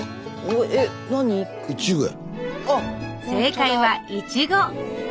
正解はイチゴ！